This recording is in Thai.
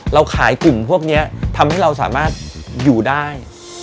เราขายกลุ่มพวกนี้ทำให้เราสามารถอยู่ได้